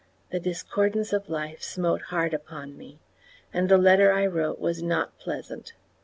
The discordance of life smote hard upon me, and the letter I wrote was not pleasant.